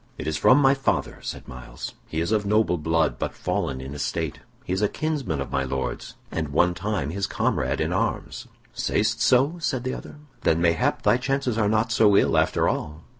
"It is from my father," said Myles. "He is of noble blood, but fallen in estate. He is a kinsman of my Lord's, and one time his comrade in arms." "Sayst so?" said the other. "Then mayhap thy chances are not so ill, after all."